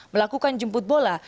melakukan jemput bola